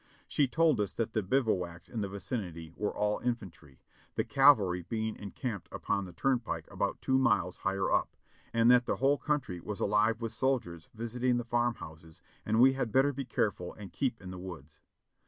She told us that the bivouacs in the vicinity were all infantry, the cavalry being encamped upon the turnpike about two miles higher up, and that the whole country was alive with soldiers vis iting the farm houses, and we had better be careful and keep in the woods.